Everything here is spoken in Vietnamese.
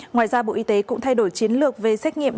ngoài ra bộ y tế cũng thay đổi chiến lược về xét nghiệm